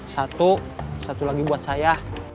satu satu lagi buat saya